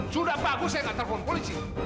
sudah bagus saya nggak telpon polisi